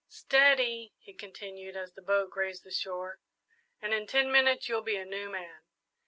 "Steady," he continued, as the boat grazed the shore, "and in ten minutes you'll be a new man."